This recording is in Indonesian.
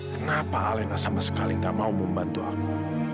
kenapa alena sama sekali gak mau membantu aku